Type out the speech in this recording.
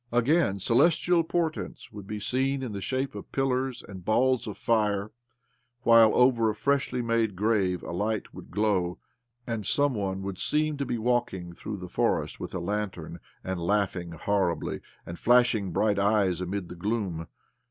Again, celestial portents would be seen in the shape of pillars and balls of fire, while over a freshly made grave a light would glow, and some one would seem to be walking through the forest with a lantern, and laughing horribly, and flashing bright eyes amid the gloom.